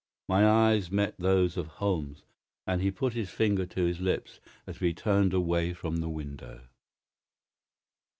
My eyes met those of Holmes, and he put his finger to his lips as we turned away from the window.